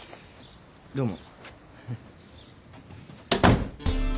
どうも。